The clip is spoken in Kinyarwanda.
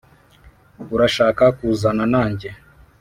urashaka kuzana nanjye?